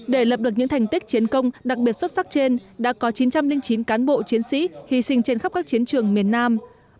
để lập được những thành tích chiến công đặc biệt xuất sắc trên đã có chín trăm linh chín cán bộ chiến sĩ hy sinh trên khắp các chiến trường miền nam